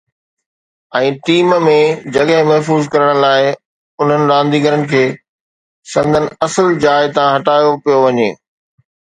۽ team ۾ جڳهه محفوظ ڪرڻ لاءِ انهن رانديگرن کي سندن اصل جاءِ تان هٽايو پيو وڃي